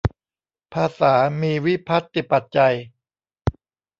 ภาษามีวิภัตติปัจจัย